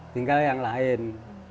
tinggal yang lain